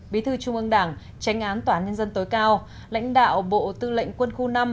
bí thư trung ương đảng tránh án tòa án nhân dân tối cao lãnh đạo bộ tư lệnh quân khu năm